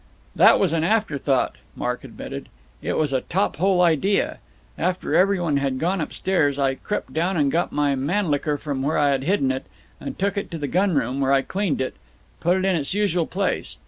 "That was an afterthought," Mark admitted. "It was a tophole idea. After every one had gone upstairs, I crept down and got my Mannlicher from where I had hidden it, and took it to the gun room, where I cleaned it and put it in its usual place.